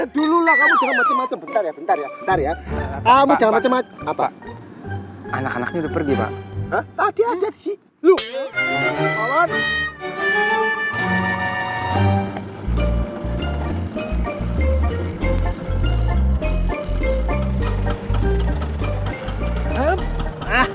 dulu lah kamu jangan macam macam bentar ya kamu jangan apa anak anaknya pergi pak tadi aja sih lu